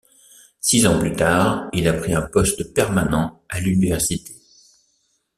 Six ans plus tard, il a pris un poste permanent à l'université.